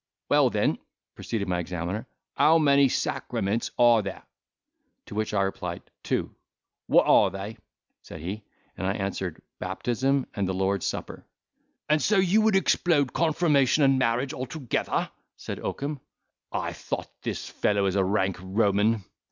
"Well then," proceeded my examiner, "how many sacraments are there?" To which I replied, "Two." "What are they?" said he. I answered, "Baptism and the Lord's Supper." "And so you would explode confirmation and marriage altogether?" said Oakum. "I thought this fellow was a rank Roman."